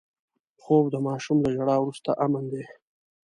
خوب د ماشوم له ژړا وروسته امن دی